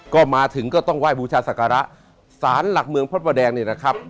ก็มาถึงก็ต้องไหว้บูชาศักระสารหลักเมืองพระประแดงนี่แหละครับ